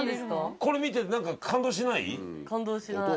これ見てなんか感動しない？